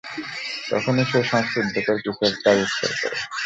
তখনই সে শ্বাসরুদ্ধকর কিছু একটা আবিষ্কার করে!